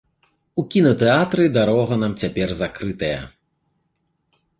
У кінатэатры дарога нам цяпер закрытая.